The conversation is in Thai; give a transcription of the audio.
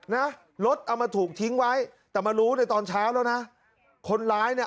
นะรถเอามาถูกทิ้งไว้แต่มารู้ในตอนเช้าแล้วนะคนร้ายเนี่ย